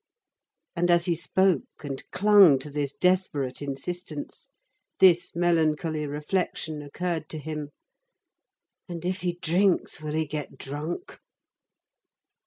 And as he spoke, and clung to this desperate insistence, this melancholy reflection occurred to him: "And if he drinks, will he get drunk?"